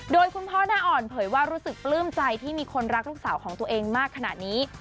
โดยคุณพ่อหน้าอ่อนเผยว่ารู้สึกปลื้มใจที่มีคนรักลูกสาวของตัวเองมากขนาดนี้